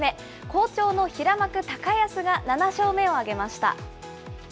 好調の平幕・高安が７勝目を挙げました。